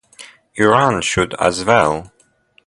Iran should as well.